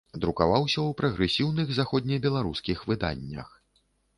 Друкаваўся ў прагрэсіўных заходнебеларускіх выданнях.